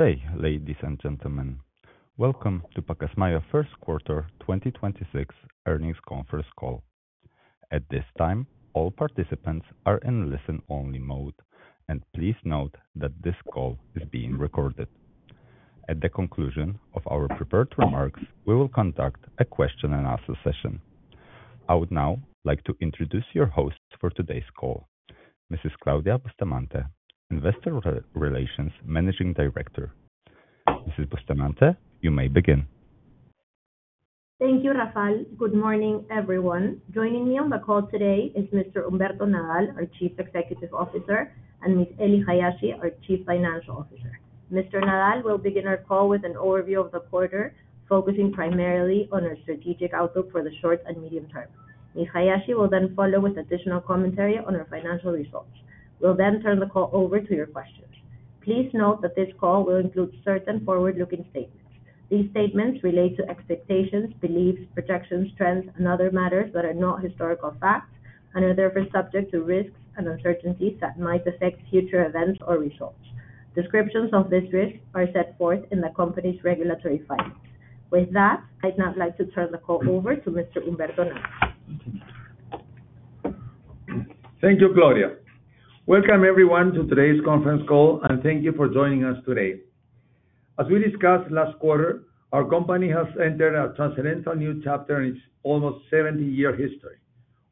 Good day, ladies and gentlemen. Welcome to Pacasmayo first quarter 2026 earnings conference call. At this time, all participants are in listen-only mode. Please note that this call is being recorded. At the conclusion of our prepared remarks, we will conduct a question and answer session. I would now like to introduce your host for today's call, Mrs. Claudia Bustamante, Investor Relations Managing Director. Mrs. Bustamante, you may begin. Thank you, Rafael. Good morning, everyone. Joining me on the call today is Mr. Humberto Nadal, our Chief Executive Officer, and Miss Ely Hayashi, our Chief Financial Officer. Mr. Nadal will begin our call with an overview of the quarter, focusing primarily on our strategic outlook for the short and medium term. Miss Hayashi will then follow with additional commentary on our financial results. We'll then turn the call over to your questions. Please note that this call will include certain forward-looking statements. These statements relate to expectations, beliefs, projections, trends, and other matters that are not historical facts and are therefore subject to risks and uncertainties that might affect future events or results. Descriptions of this risk are set forth in the company's regulatory filings. With that, I'd now like to turn the call over to Mr. Humberto Nadal. Thank you, Claudia. Welcome everyone to today's conference call, and thank you for joining us today. As we discussed last quarter, our company has entered a transcendental new chapter in its almost 70-year history.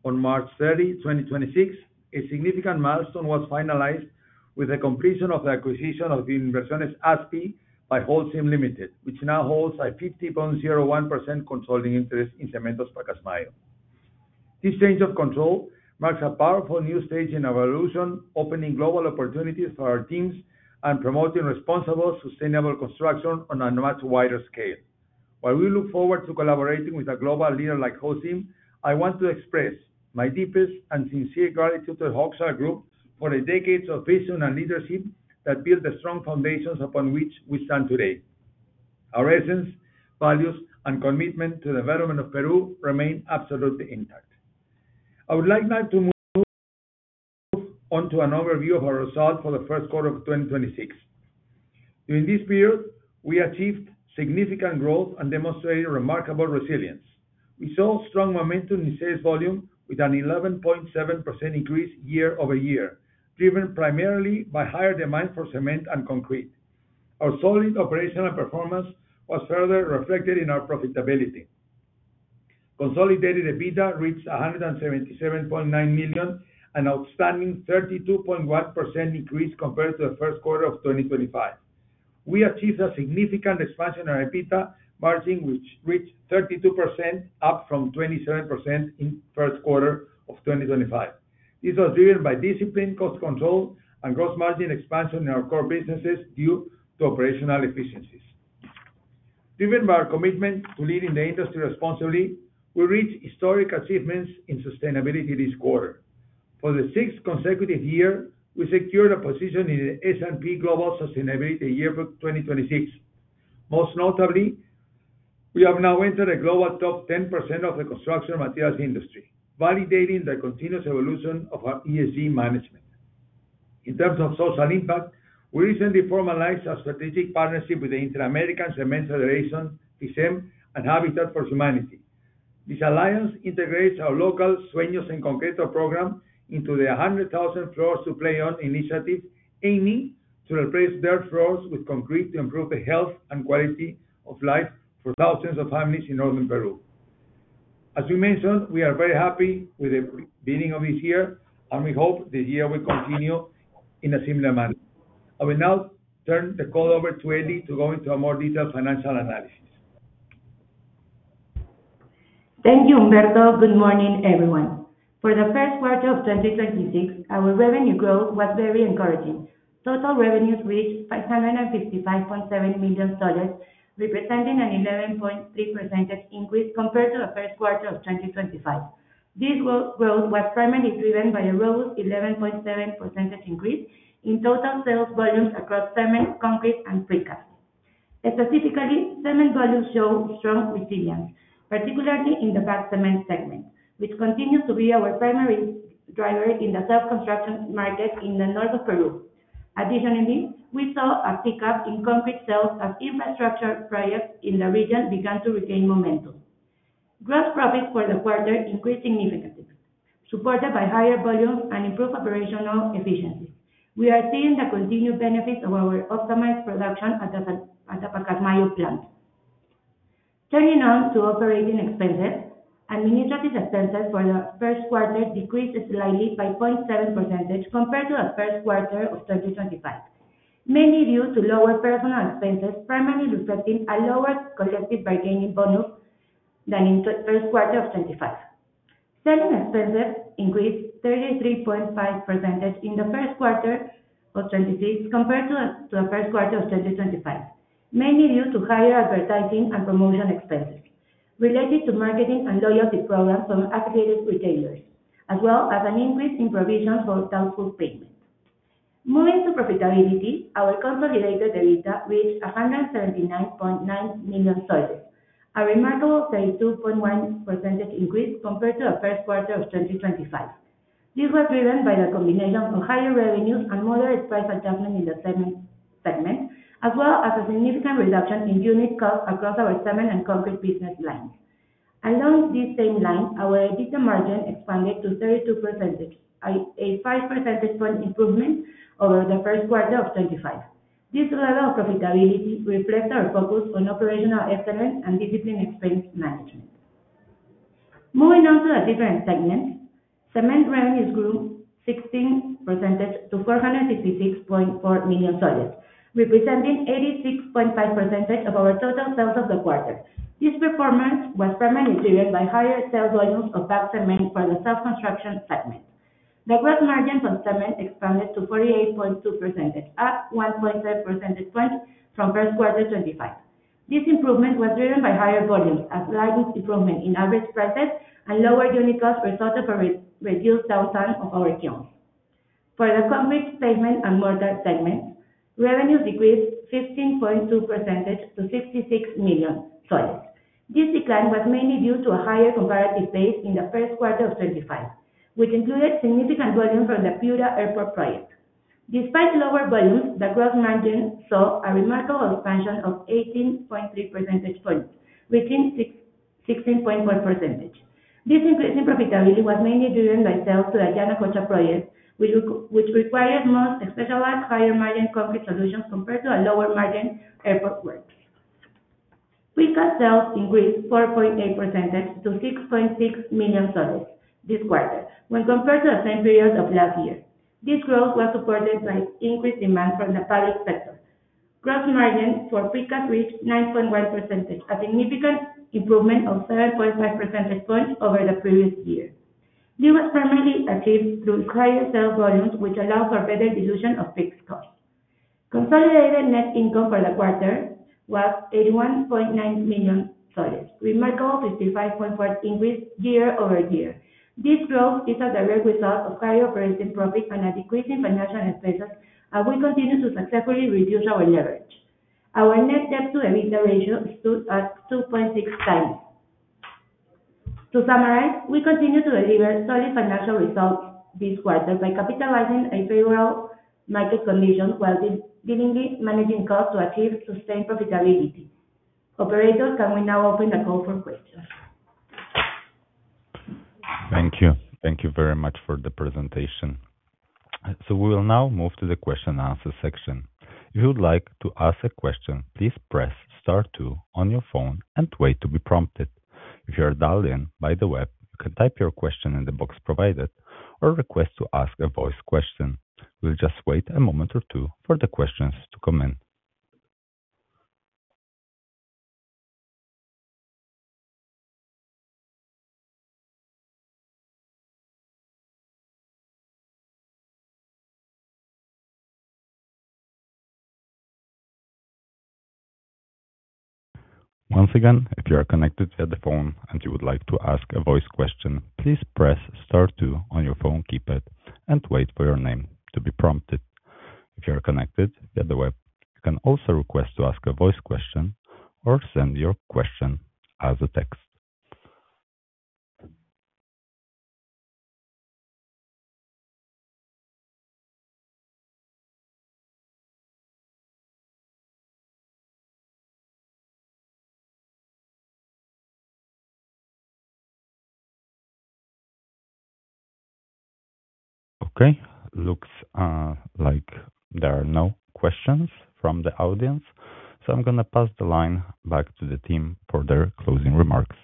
On March 30, 2026, a significant milestone was finalized with the completion of the acquisition of Inversiones ASPI by Holcim Ltd, which now holds a 50.01% controlling interest in Cementos Pacasmayo. This change of control marks a powerful new stage in our evolution, opening global opportunities for our teams and promoting responsible, sustainable construction on a much wider scale. While we look forward to collaborating with a global leader like Holcim, I want to express my deepest and sincere gratitude to the Hochschild Group for the decades of vision and leadership that built the strong foundations upon which we stand today. Our essence, values, and commitment to the development of Peru remain absolutely intact. I would like now to move on to an overview of our results for the first quarter of 2026. During this period, we achieved significant growth and demonstrated remarkable resilience. We saw strong momentum in sales volume with an 11.7% increase year-over-year, driven primarily by higher demand for cement and concrete. Our solid operational performance was further reflected in our profitability. Consolidated EBITDA reached PEN 177.9 million, an outstanding 32.1% increase compared to the first quarter of 2025. We achieved a significant expansion in our EBITDA margin, which reached 32%, up from 27% in first quarter of 2025. This was driven by disciplined cost control and gross margin expansion in our core businesses due to operational efficiencies. Driven by our commitment to leading the industry responsibly, we reached historic achievements in sustainability this quarter. For the sixth consecutive year, we secured a position in the S&P Global Sustainability Yearbook 2026. Most notably, we have now entered the global top 10% of the construction materials industry, validating the continuous evolution of our ESG management. In terms of social impact, we recently formalized a strategic partnership with the Inter-American Cement Federation, FICEM, and Habitat for Humanity. This alliance integrates our local Sueños en Concreto program into the 100,000 Floors to Play On initiative, aiming to replace dirt floors with concrete to improve the health and quality of life for thousands of families in northern Peru. As we mentioned, we are very happy with the beginning of this year, and we hope this year will continue in a similar manner. I will now turn the call over to Ely to go into a more detailed financial analysis. Thank you, Humberto. Good morning, everyone. For the first quarter of 2026, our revenue growth was very encouraging. Total revenues reached PEN 555.7 million, representing an 11.3% increase compared to the first quarter of 2025. This growth was primarily driven by a robust 11.7% increase in total sales volumes across cement, concrete, and precast. Specifically, cement volumes show strong resilience, particularly in the bag cement segment, which continues to be our primary driver in the self-construction market in the north of Peru. Additionally, we saw a pickup in concrete sales as infrastructure projects in the region began to regain momentum. Gross profits for the quarter increased significantly, supported by higher volumes and improved operational efficiency. We are seeing the continued benefits of our optimized production at the Pacasmayo plant. Turning now to OpEx. Administrative expenses for the first quarter decreased slightly by 0.7% compared to the first quarter of 2025, mainly due to lower personal expenses, primarily reflecting a lower collective bargaining bonus than in the first quarter of 2025. Selling expenses increased 33.5% in the first quarter of 2026 compared to the first quarter of 2025, mainly due to higher advertising and promotion expenses related to marketing and loyalty programs from affiliated retailers, as well as an increase in provision for doubtful payments. Moving to profitability, our consolidated EBITDA reached PEN 179.9 million, a remarkable 32.1% increase compared to the first quarter of 2025. This was driven by the combination of higher revenues and moderate price adjustment in the cement segment, as well as a significant reduction in unit costs across our cement and concrete business lines. Along this same line, our EBITDA margin expanded to 32%, a 5 percentage-point improvement over the first quarter of 2025. This level of profitability reflects our focus on operational excellence and disciplined expense management. Moving on to the different segments, cement revenues grew 16% to PEN 466.4 million, representing 86.5% of our total sales of the quarter. This performance was primarily driven by higher sales volumes of bag cement for the self-construction segment. The gross margins on cement expanded to 48.2%, up 1.5 percentage points from first quarter 2025. This improvement was driven by higher volumes, a slight improvement in average prices, and lower unit cost resulting from reduced downtime of our kilns. For the concrete, pavement, and mortar segment, revenues decreased 15.2% to PEN 66 million. This decline was mainly due to a higher comparative base in the first quarter of 2025, which included significant volume from the Piura Airport project. Despite lower volumes, the gross margin saw a remarkable expansion of 18.3 percentage points, reaching 16.1%. This increase in profitability was mainly driven by sales to the Yanacocha project, which required more specialized higher-margin concrete solutions compared to a lower-margin airport work. Precast sales increased 4.8% to PEN 6.6 million this quarter when compared to the same period of last year. This growth was supported by increased demand from the public sector. Gross margins for precast reached 9.1%, a significant improvement of 7.5 percentage points over the previous year. This was primarily achieved through higher sales volumes, which allow for better dilution of fixed costs. Consolidated net income for the quarter was PEN 81.9 million, a remarkable 55.4% increase year-over-year. This growth is a direct result of higher operating profits and a decrease in financial expenses, and we continue to successfully reduce our leverage. Our net debt-to-EBITDA ratio stood at 2.6x. To summarize, we continue to deliver solid financial results this quarter by capitalizing on favorable market conditions while diligently managing costs to achieve sustained profitability. Operator, can we now open the call for questions? Thank you. Thank you very much for the presentation. We will now move to the question-and-answer section. If you would like to ask a question, please press star two on your phone and wait to be prompted. If you are dialed in by the web, you can type your question in the box provided or request to ask a voice question. We'll just wait a moment or two for the questions to come in. Once again, if you are connected via the phone and you would like to ask a voice question, please press star two on your phone keypad and wait for your name to be prompted. If you are connected via the web, you can also request to ask a voice question or send your question as a text. Okay. Looks like there are no questions from the audience, so I'm gonna pass the line back to the team for their closing remarks.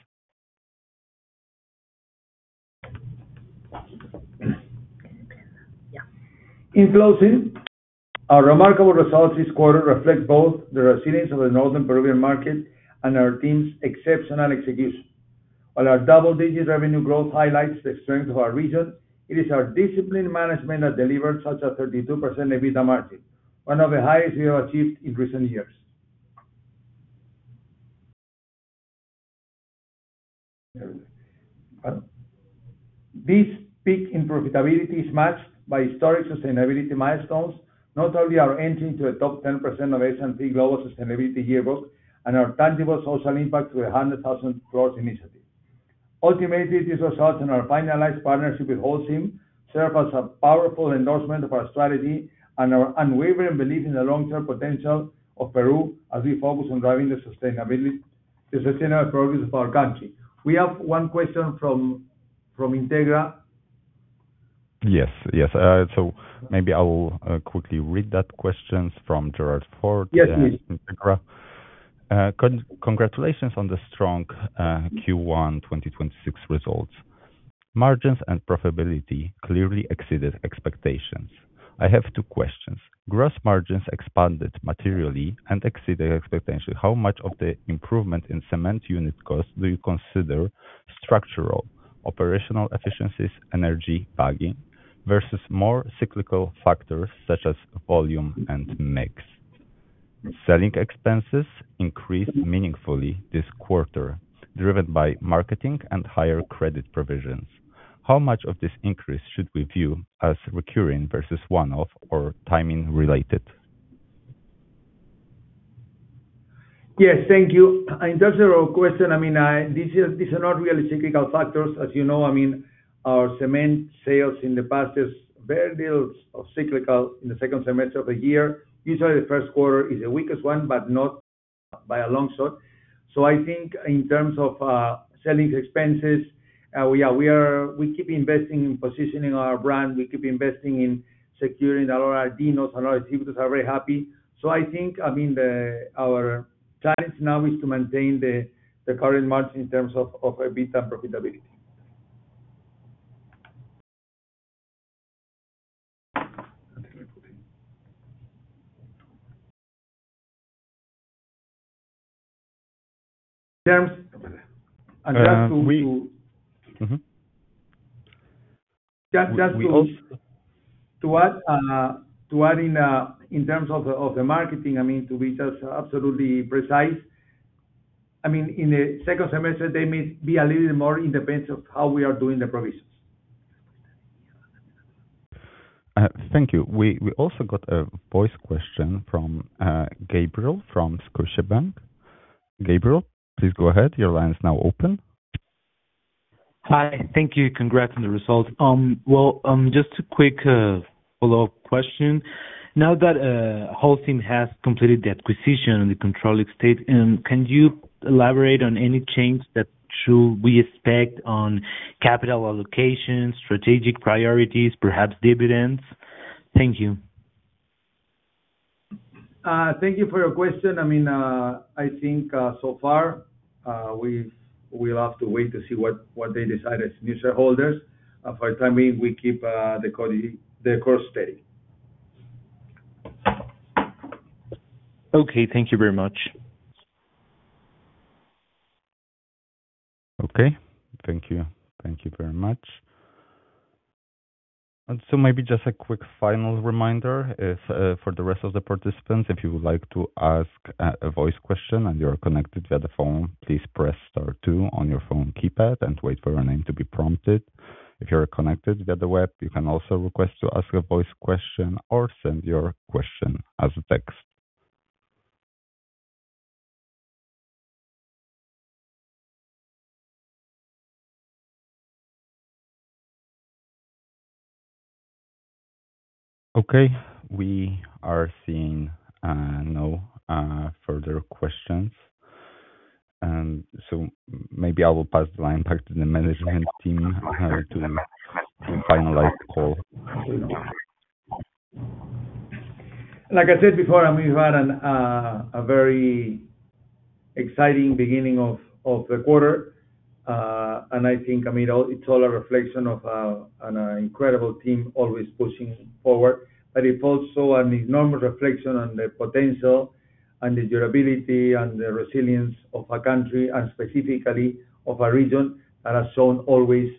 In closing, our remarkable results this quarter reflect both the resilience of the northern Peruvian market and our team's exceptional execution. While our double-digit revenue growth highlights the strength of our region, it is our disciplined management that delivered such a 32% EBITDA margin, one of the highest we have achieved in recent years. This peak in profitability is matched by historic sustainability milestones, not only our entry into the top 10% of S&P Global Sustainability Yearbook, and our tangible social impact through the 100,000 Floors initiative. Ultimately, these results and our finalized partnership with Holcim serve as a powerful endorsement of our strategy and our unwavering belief in the long-term potential of Peru as we focus on driving the sustainability. The sustainable progress of our country. We have one question from Integra. Yes. Maybe I will quickly read that question from [Gerard Ford]. Yes, please. From Integra. Congratulations on the strong Q1 2026 results. Margins and profitability clearly exceeded expectations. I have two questions. Gross margins expanded materially and exceeded expectations. How much of the improvement in cement unit costs do you consider structural, operational efficiencies, energy bagging, versus more cyclical factors such as volume and mix? Selling expenses increased meaningfully this quarter, driven by marketing and higher credit provisions. How much of this increase should we view as recurring versus one-off or timing related? Yes. Thank you. In terms of your question, I mean, these are not really cyclical factors. As you know, I mean, our cement sales in the past is very little of cyclical in the second semester of the year. Usually, the first quarter is the weakest one, but not by a long shot. I think in terms of selling expenses, we are. We keep investing in positioning our brand. We keep investing in securing our dealers and our distributors are very happy. I think, I mean, our plans now is to maintain the current margin in terms of EBITDA profitability. To add in terms of the marketing, I mean, to be just absolutely precise. I mean, in the second semester, they may be a little more in defense of how we are doing the provisions. Thank you. We also got a voice question from Gabriel from Scotiabank. Gabriel, please go ahead. Your line is now open. Hi. Thank you. Congrats on the results. Just a quick follow-up question. Now that Holcim has completed the acquisition and the controlling stake, can you elaborate on any changes that we should expect on capital allocation, strategic priorities, perhaps dividends? Thank you. Thank you for your question. I mean, I think, so far, we'll have to wait to see what they decide as new shareholders. For the time being, we keep the course steady. Okay. Thank you very much. Okay. Thank you. Thank you very much. Maybe just a quick final reminder is for the rest of the participants, if you would like to ask a voice question, and you are connected via the phone, please press star two on your phone keypad and wait for your name to be prompted. If you are connected via the web, you can also request to ask a voice question or send your question as a text. Okay. We are seeing no further questions. Maybe I will pass the line back to the management team in order to finalize the call. Like I said before, I mean, we've had a very exciting beginning of the quarter. I think, I mean, it's all a reflection of an incredible team always pushing forward. It's also an enormous reflection on the potential and the durability and the resilience of a country and specifically of a region that has shown always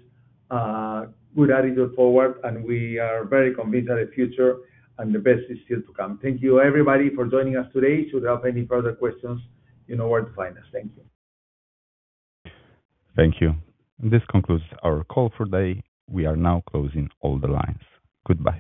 good attitude forward. We are very convinced of the future, and the best is still to come. Thank you, everybody, for joining us today. Should you have any further questions, you know where to find us. Thank you. Thank you. This concludes our call for the day. We are now closing all the lines. Goodbye.